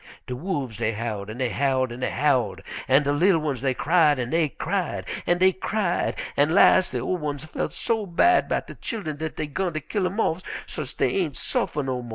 "De wolfs dey howled an' dey howled an' dey howled, an' de li'l ones dey cried an' dey cried an' dey cried, an' las' de ol' ones felt so bad 'bout de chillen dat dey 'gun ter kill 'em off so's't dey ain' suffer no mo'.